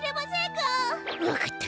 わかった！